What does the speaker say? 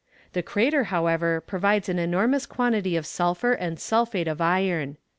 The crater, however, provides an enormous quantity of sulphur and sulphate of iron."